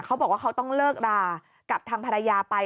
เขาบอกว่าเขาต้องเลิกรากับทางภรรยาไป